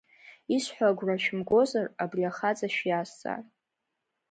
Исҳәо агәра шәымгозар, абри ахаҵа шәиазҵаа.